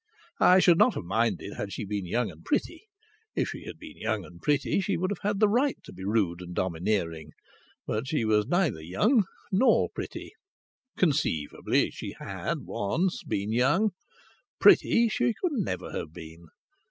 I should not have minded had she been young and pretty. If she had been young and pretty she would have had the right to be rude and domineering. But she was neither young nor pretty. Conceivably she had once been young; pretty she could never have been.